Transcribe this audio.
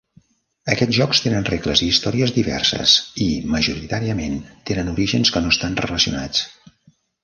Aquests jocs tenen regles i històries diverses i, majoritàriament, tenen orígens que no estan relacionats.